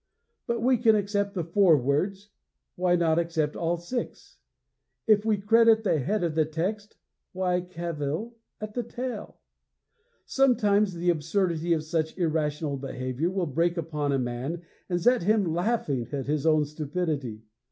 If we can accept the four words, why not accept all six? If we credit the head of the text, why cavil at the tail? Sometimes the absurdity of such irrational behavior will break upon a man and set him laughing at his own stupidity.